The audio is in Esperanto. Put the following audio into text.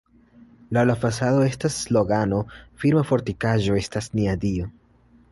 Laŭ la fasado estas slogano: "Firma fortikaĵo estas nia Dio".